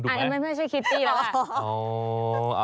ฉันไม่ใช่คิตตี้แหละ